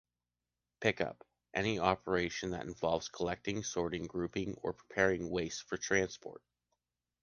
Pickup: any operation that involves collecting, sorting, grouping or preparing waste for transport.